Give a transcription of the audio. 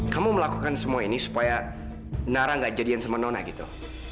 kamu melakukan semua ini supaya nara gak jadian sama nona gitu